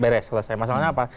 beres selesai masalahnya apa